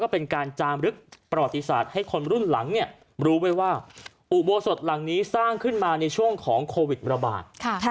เป็นการจามลึกประวัติศาสตร์ให้คนรุ่นหลังรู้ไว้ว่าอุโบสถหลังนี้สร้างขึ้นมาในช่วงของโควิดระบาด